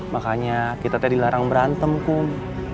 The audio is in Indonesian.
makanya kita tadi dilarang berantem kum